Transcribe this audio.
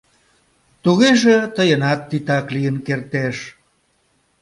— Тугеже тыйынат титак лийын кертеш.